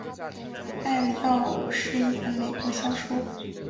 爱的药是一本美国小说。